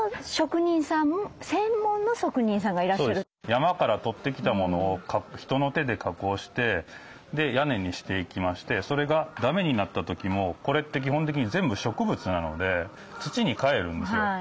山から取ってきたものを人の手で加工して屋根にしていきましてそれがだめになった時もこれって基本的に全部植物なので土にかえるんですよ。